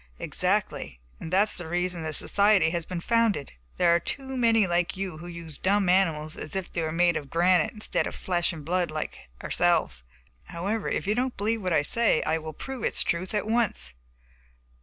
"Exactly, and that is the reason the society has been founded; there are too many like you who use dumb animals as if they were made of granite instead of flesh and blood like ourselves. However, if you don't believe what I say I will prove its truth at once."